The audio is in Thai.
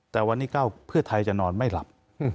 แต่วันนี้เพื่อไทยจะนอนไม่หลับ